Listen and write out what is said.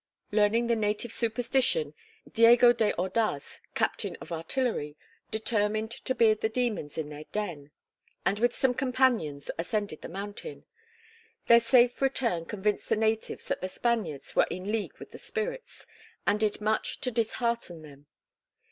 Learning the native superstition, Diego de Ordaz, captain of artillery, determined to beard the demons in their den, and with some companions ascended the mountain. Their safe return convinced the natives that the Spaniards were in league with the spirits, and did much to dishearten them.